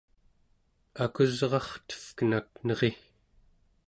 akusrartevkenak neri!